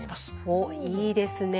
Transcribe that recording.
おっいいですね。